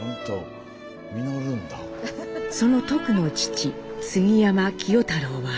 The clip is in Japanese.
そのトクの父杉山喜代太郎は。